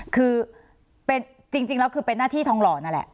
คือจริงแล้วคือเป็นหน้าที่ทองหล่อนั่นแหละ